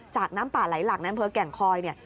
จากน้ำป่าหลายหลากอำเภอแก่งคอยเนี่ย